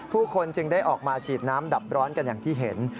ผู้คนจึงได้ออกมาฉีดน้ำดับร้อนกันอย่างที่เห็น